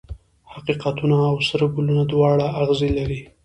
حقیقتونه او سره ګلونه دواړه اغزي لري.